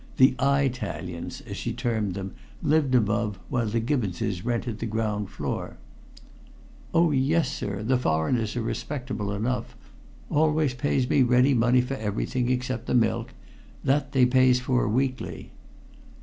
The "Eye talians," as she termed them, lived above, while the Gibbonses rented the ground floor. "Oh, yes, sir. The foreigners are respectable enough. Always pays me ready money for everythink, except the milk. That they pays for weekly."